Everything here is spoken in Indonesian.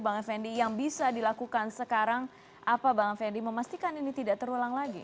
bang effendi yang bisa dilakukan sekarang apa bang effendi memastikan ini tidak terulang lagi